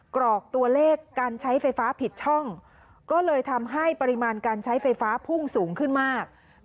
กรอกตัวเลขการใช้ไฟฟ้าผิดช่องก็เลยทำให้ปริมาณการใช้ไฟฟ้าพุ่งสูงขึ้นมาก